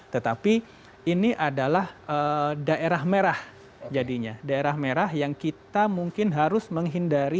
tetapi ini adalah daerah merah jadinya daerah merah yang kita mungkin harus menghindari